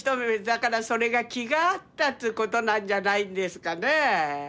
だからそれが気が合ったっつうことなんじゃないんですかね。